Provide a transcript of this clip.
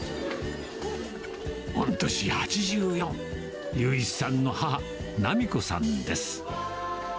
御年８４、雄一さんの母、奈美子さんです。